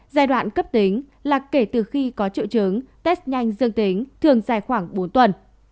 giai đoạn cấp tính là kể từ khi có triệu chứng test nhanh dương tính thường dài khoảng bốn tuần